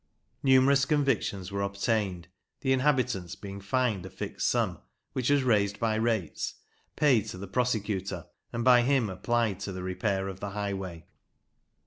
Numerous convictions were obtained, the inhabitants being fined a fixed sum, which was raised by rates, paid to the prosecutor, and by him applied to the repair of the highway.